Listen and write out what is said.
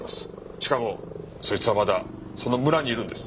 しかもそいつはまだその村にいるんです。